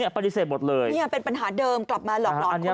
ปฏิเสธหมดเลยเป็นปัญหาเดิมกลับมาหลอกหลอนคนไทยอีกแล้ว